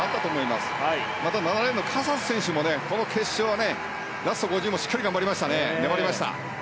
また７レーンのカサス選手も決勝はラスト５０もしっかり頑張りましたね。